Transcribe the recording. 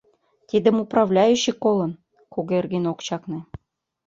— Тидым управляющий колын, — Кугергин ок чакне.